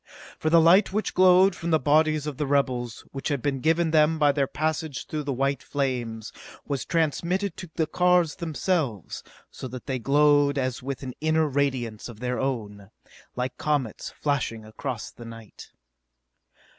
] For the light which glowed from the bodies of the rebels, which had been given them by their passage through the white flames, was transmitted to the cars themselves, so that they glowed as with an inner radiance of their own like comets flashing across the night.